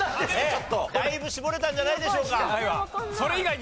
だいぶ絞れたんじゃないでしょうか。